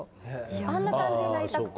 あんな感じになりたくて。